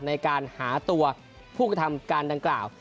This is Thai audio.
ในการหาตัวผู้กระทำการดังกล่าว